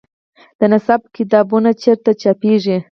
د نصاب کتابونه چیرته چاپیږي؟